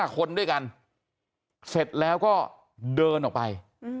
๕คนด้วยกันเสร็จแล้วก็เดินออกไป